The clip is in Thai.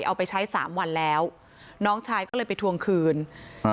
เอาไปใช้สามวันแล้วน้องชายก็เลยไปทวงคืนอ่า